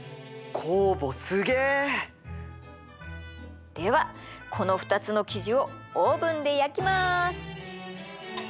酵母すげえ！ではこの２つの生地をオーブンで焼きます！